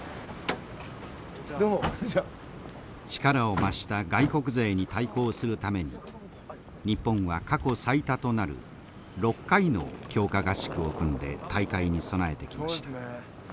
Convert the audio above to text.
力を増した外国勢に対抗するために日本は過去最多となる６回の強化合宿を組んで大会に備えてきました。